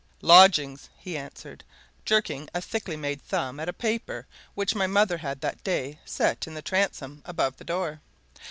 "Lodgings!" he answered, jerking a thickly made thumb at a paper which my mother had that day set in the transom above the door.